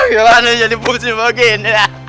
gimana jadi pungsi begin